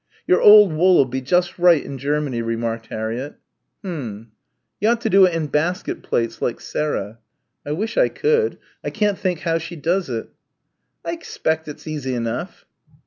"Your old wool'll be just right in Germany," remarked Harriett. "Mm." "You ought to do it in basket plaits like Sarah." "I wish I could. I can't think how she does it." "Ike spect it's easy enough."